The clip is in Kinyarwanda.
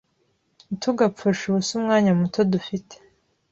Ntitugapfushe ubusa umwanya muto dufite.